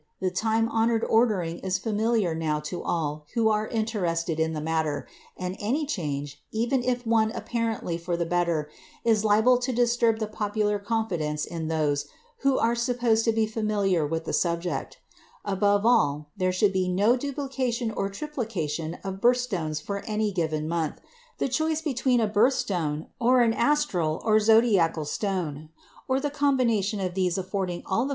The time honored ordering is familiar now to all who are interested in the matter, and any change, even if one apparently for the better, is liable to disturb the popular confidence in those who are supposed to be familiar with the subject. Above all, there should be no duplication or triplication of birth stones for any given month, the choice between a birth stone or an astral or zodiacal stone or the combination of these affording all the variety that is necessary or should be desired.